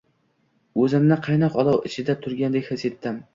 O‘zimni qaynoq olov ichida turgandek his etdim.